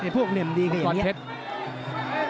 พวกเหลี่ยมดีแบบนี้